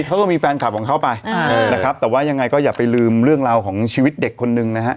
เขาก็มีแฟนคลับของเขาไปนะครับแต่ว่ายังไงก็อย่าไปลืมเรื่องราวของชีวิตเด็กคนนึงนะฮะ